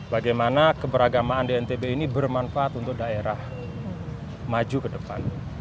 bagaimana keberagamaan di ntb ini bermanfaat untuk daerah maju ke depan